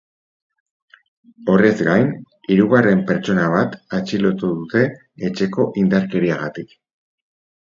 Horrez gain, hirugarren pertsona bat atxilotu dute etxeko indarkeriagatik.